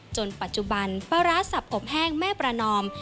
จนปัจจุบันปลาร้าสับอบแห้งแม่ประนอม